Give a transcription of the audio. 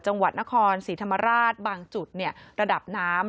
จังหวัดนครศรีธรรมราชบางจุดระดับน้ำ